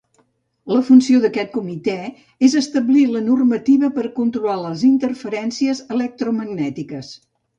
La funció d'aquest comitè és establir la normativa per a controlar les interferències electromagnètiques.